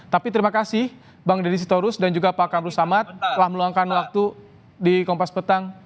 tapi terima kasih bang deddy sitorus dan juga pak kamru samad telah meluangkan waktu di kompas petang